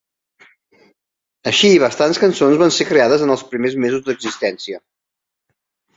Així bastants cançons van ser creades en els primers mesos d'existència.